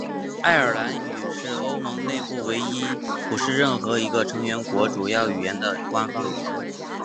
爱尔兰语是欧盟内部唯一不是任何一个成员国主要语言的官方语言。